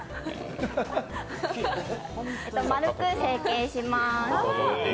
丸く成形します。